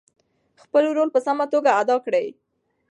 خپل رول په سمه توګه ادا کړئ.